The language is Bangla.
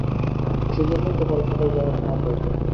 সেইজন্যেই তো কলকাতায় যাওয়া তোমার দরকার।